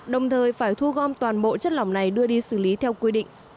đồng thời phải thu gom toàn bộ chất lỏng này đưa đi xử lý theo quy định